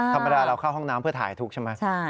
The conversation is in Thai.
ธรรมดาเราเข้าห้องน้ำเพื่อถ่ายทุกข์ใช่ไหม